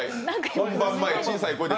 本番前に小さい声で